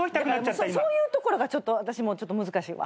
そういうところがちょっと私難しいわ。